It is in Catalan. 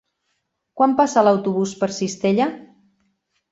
Quan passa l'autobús per Cistella?